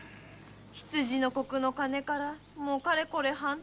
未の刻の鐘からもうかれこれ半刻。